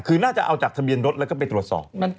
คือน่าจะเอาจากทะเบียนรถแล้วก็ไปตรวจสอบ